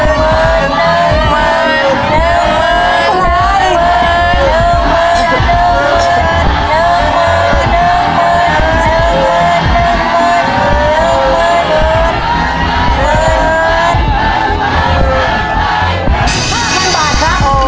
๕เนื้อบาทครับ